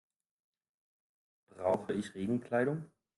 Brauche ich Regenkleidung?